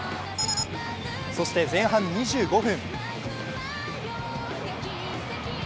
そして前半２５分。